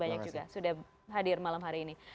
banyak juga sudah hadir malam hari ini